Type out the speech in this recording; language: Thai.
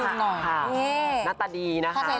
น่าตาดีนะคะ